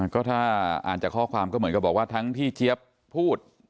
ก็ถ้าอ่านจากข้อความก็เหมือนกับบอกว่าทั้งที่เจี๊ยบพูด